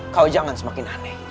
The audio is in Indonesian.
kau jangan semakin aneh